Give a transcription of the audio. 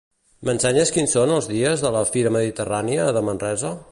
M'ensenyes quins són els dies de la "Fira Mediterrània" de Manresa?